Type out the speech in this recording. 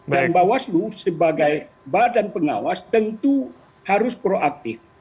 dan bawaslu sebagai badan pengawas tentu harus proaktif